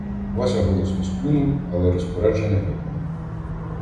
Вася голосно сплюнув, але розпорядження виконав.